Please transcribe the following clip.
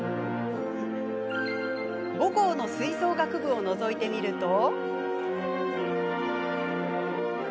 母校の吹奏楽部をのぞいてみると。